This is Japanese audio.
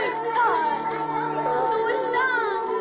どうしたん？